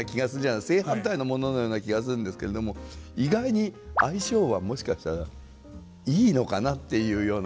正反対のもののような気がするんですけれども意外に相性はもしかしたらイイのかなっていうような。